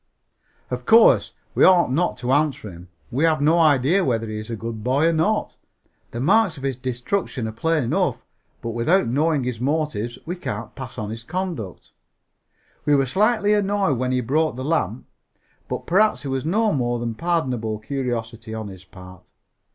Of course, we ought not to answer him. We have no idea whether he is a good boy or not. The marks of his destruction are plain enough, but without knowing his motives we can't pass on his conduct. We were slightly annoyed when he broke the lamp, but perhaps it was no more than pardonable curiosity on his part.